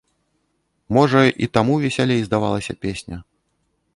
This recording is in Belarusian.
Можа, і таму весялей здавалася песня?